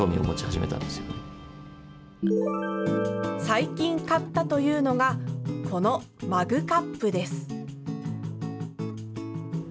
最近買ったというのがこのマグカップです。